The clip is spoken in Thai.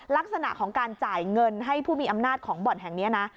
ลักษณะของการจ่ายเงินให้ผู้มีอำนาจของบ่อนแห่งนี้นะ